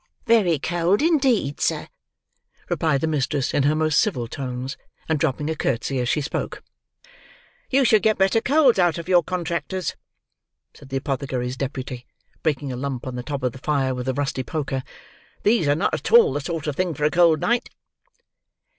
"Very cold, indeed, sir," replied the mistress, in her most civil tones, and dropping a curtsey as she spoke. "You should get better coals out of your contractors," said the apothecary's deputy, breaking a lump on the top of the fire with the rusty poker; "these are not at all the sort of thing for a cold night."